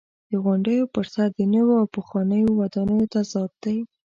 د غونډیو پر سر د نویو او پخوانیو ودانیو تضاد دی.